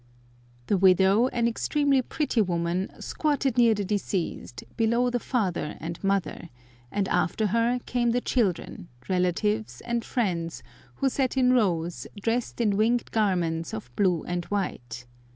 The widow, an extremely pretty woman, squatted near the deceased, below the father and mother; and after her came the children, relatives, and friends, who sat in rows, dressed in winged garments of blue and white.